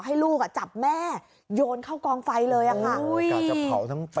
ให้ลูกจับแม่โยนเข้ากองไฟเลยค่ะ